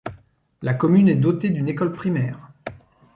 La commune est dotée d'une école primaire.